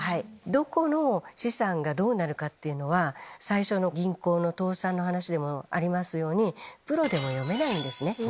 どこの資産がどうなるかっていうのは最初の銀行の倒産の話でもありますようにプロでも読めないんですね。